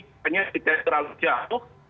makanya tidak terlalu jauh